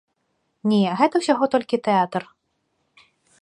Не, гэта ўсяго толькі тэатр.